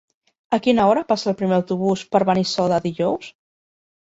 A quina hora passa el primer autobús per Benissoda dijous?